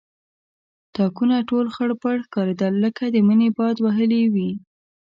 تاکونه ټول خړپړ ښکارېدل لکه د مني باد وهلي وي.